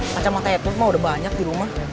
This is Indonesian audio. kacamata itu mah udah banyak di rumah